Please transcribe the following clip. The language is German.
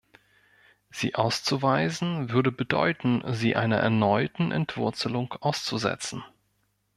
Sie auszuweisen würde bedeuten, sie einer erneuten Entwurzelung auszusetzen.